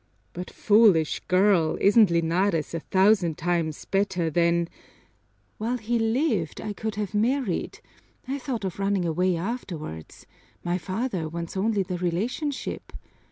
"But, foolish girl, isn't Linares a thousand times better than " "While he lived, I could have married I thought of running away afterwards my father wants only the relationship!